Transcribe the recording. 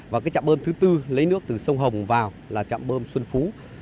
và chạm bơm thứ bốn lấy nước từ sông hồng vào là chạm bơm xuân phú